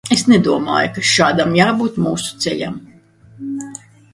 Es nedomāju, ka šādam jābūt mūsu ceļam.